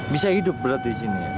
bisa hidup berat di sini